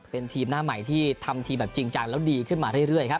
เป็นทีมหน้าใหม่ที่ทำทีมแบบจริงจังแล้วดีขึ้นมาเรื่อยครับ